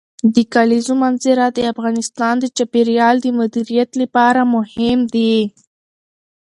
د کلیزو منظره د افغانستان د چاپیریال د مدیریت لپاره مهم دي.